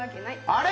あれ？